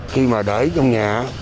khi mà để trong nhà